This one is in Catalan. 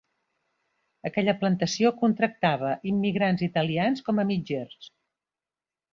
Aquella plantació contractava immigrants italians com a mitgers.